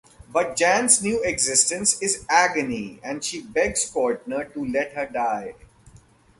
But Jan's new existence is agony and she begs Cortner to let her die.